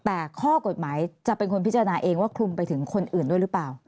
แต่ข้อกฎหมายจะเป็นคนพิจารณาเองว่าคลุมไปถึงคนอื่นด้วยหรือเปล่า